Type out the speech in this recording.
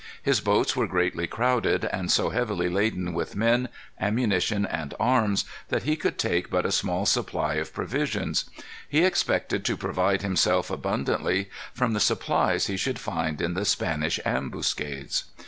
His boats were greatly crowded, and so heavily laden with men, ammunition, and arms, that he could take but a small supply of provisions. He expected to provide himself abundantly from the supplies he should find in the Spanish ambuscades.